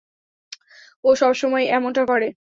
ও সবসময়ই এমনটা করে!